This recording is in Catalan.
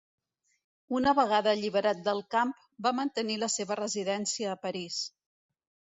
Una vegada alliberat del camp, va mantenir la seva residència a París.